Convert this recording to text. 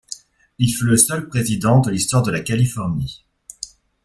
Il fut le seul président de l'Histoire de la Californie.